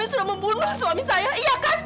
sudah membunuh suami saya iya kan